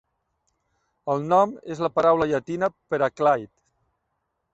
El nom és la paraula llatina per a Clyde.